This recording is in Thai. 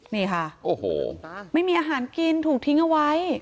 นี่ค่ะโอ้โหไม่มีอาหารกินถูกทิ้งเอาไว้